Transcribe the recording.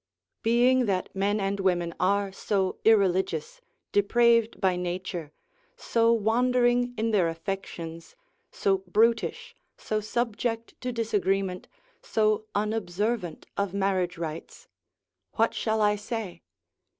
Being that men and women are so irreligious, depraved by nature, so wandering in their affections, so brutish, so subject to disagreement, so unobservant of marriage rites, what shall I say?